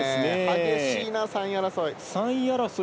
激しいな、３位争い。